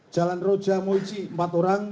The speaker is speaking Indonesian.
jalan roja moiji empat orang